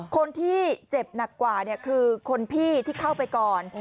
คนที่เจ็บหนักกว่าคือคนพี่ที่เข้าไปก่อน